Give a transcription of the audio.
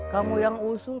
kamu yang usul